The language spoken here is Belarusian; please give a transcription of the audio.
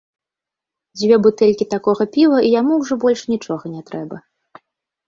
Дзве бутэлькі такога піва і яму ўжо больш нічога не трэба.